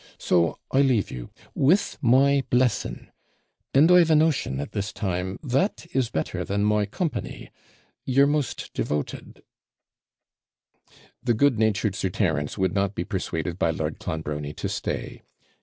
So I leave you, with my blessing, and I've a notion, at this time, that is better than my company your most devoted ' The good natured Sir Terence would not be persuaded by Lord Clonbrony to stay.